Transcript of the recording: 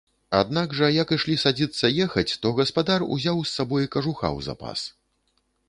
Аднак жа як ішлі садзіцца ехаць, то гаспадар узяў з сабой кажуха ў запас.